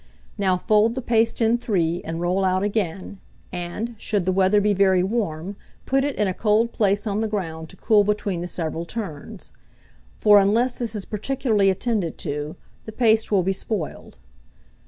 Now fold the paste in three, and roll out again, and, should the weather be very warm, put it in a cold place on the ground to cool between the several turns; for, unless this is particularly attended to, the paste will be spoiled.